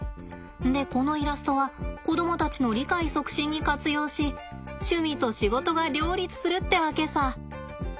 でこのイラストは子供たちの理解促進に活用し趣味と仕事が両立するってわけさ。